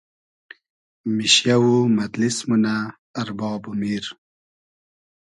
میشیۂ و مئدلیس مونۂ ارباب و میر